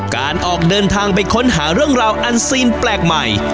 การออกเดินทางไปค้นหาเรื่องราวอันซีนแปลกใหม่